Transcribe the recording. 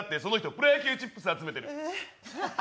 プロ野球チップス集めてる。